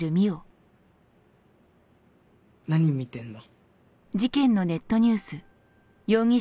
何見てんの？